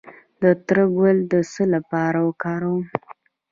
د تره ګل د څه لپاره وکاروم؟